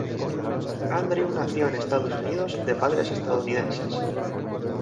Andrew nació en Estados Unidos de padres estadounidenses.